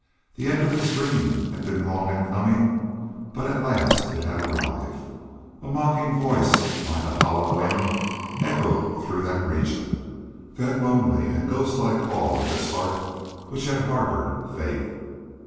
The end of his dream had been long in coming, but at last it had arrived. A mocking voice, like a hollow wind, echoed through that region that lonely and ghost like hall of his heart which had harbored faith.